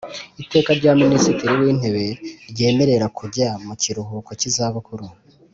Iteka rya Minisitiri w Intebe ryemerera kujya mu kiruhuko cy izabukuru